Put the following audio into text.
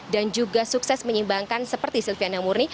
dan juga sukses menyeimbangkan seperti silviana murni